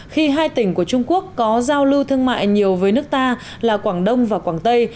khi hai tỉnh của trung quốc có giao lưu thương mại nhiều với nước ta là quảng đông và quảng tây